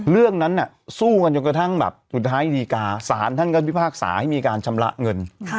เรื่องนั้นสู้กันจนกระทั่งแบบสุดท้ายดีกาศาลท่านก็พิพากษาให้มีการชำระเงิน